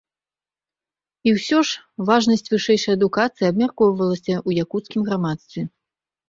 І ўсё ж, важнасць вышэйшай адукацыі абмяркоўвалася ў якуцкім грамадстве.